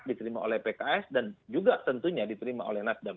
diterima oleh pks dan juga tentunya diterima oleh nasdem